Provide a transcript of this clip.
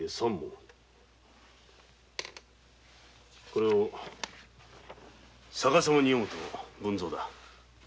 これを逆様に読むと文三だ。